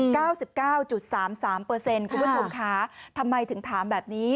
คุณผู้ชมคะทำไมถึงถามแบบนี้